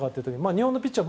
日本のピッチャー